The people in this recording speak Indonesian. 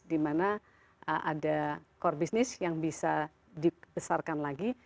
dimana ada core business yang bisa dibesarkan lagi